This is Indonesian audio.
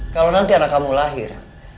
kalau nanti anak kamu lahir